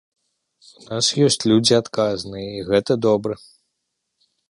У нас ёсць людзі адказныя, і гэта добра.